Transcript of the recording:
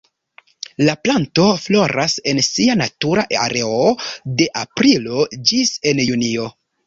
La planto floras en sia natura areo de aprilo ĝis en junio.